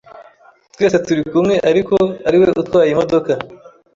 twese turi kumwe ariko ariwe utwaye imodoka